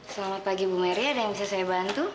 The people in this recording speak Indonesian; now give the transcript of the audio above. selamat pagi bu meri ada yang bisa saya bantu